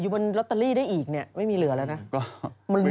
อยู่บนลอตเตอรี่ได้อีกไม่มีเหลือแล้วนะ